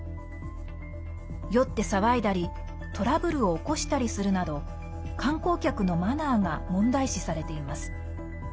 酔って騒いだりトラブルを起こしたりするなど観光客のマナーが問題視されています。